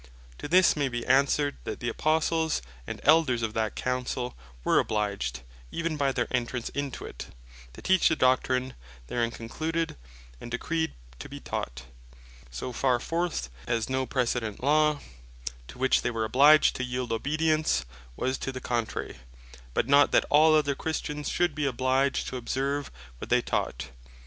To this may be answered, that the Apostles, and Elders of that Councell, were obliged even by their entrance into it, to teach the Doctrine therein concluded, and decreed to be taught, so far forth, as no precedent Law, to which they were obliged to yeeld obedience, was to the contrary; but not that all other Christians should be obliged to observe, what they taught.